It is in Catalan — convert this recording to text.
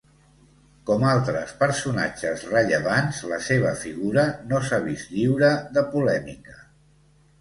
Com altres personatges rellevants, la seva figura no s'ha vist lliure de polèmica.